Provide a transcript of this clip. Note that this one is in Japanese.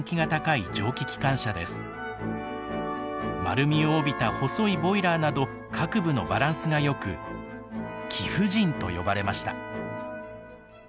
丸みを帯びた細いボイラーなど各部のバランスがよく貴婦人と呼ばれました。